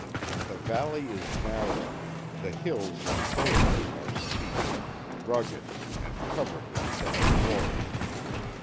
The valley is narrow, the hills enclosing it are steep, rugged and covered with dense forest.